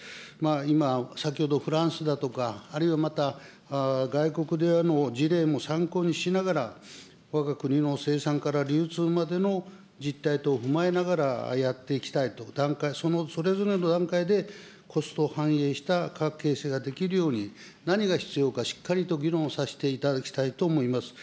今、先ほどフランスだとか、あるいはまた外国での事例も参考にしながら、わが国の生産から流通までの実態等踏まえながら、やっていきたいと、それぞれの段階でコストを反映した価格形成ができるように、何が必要かしっかりと議論をさせていただきたいと思います。